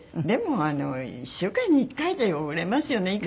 でも１週間に１回じゃ汚れますよね